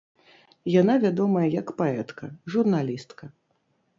Яна вядомая як паэтка, журналістка.